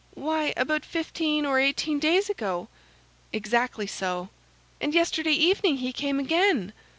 "Why, about fifteen or eighteen days ago." "Exactly so." "And yesterday evening he came again."